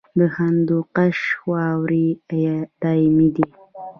د هندوکش واورې دایمي دي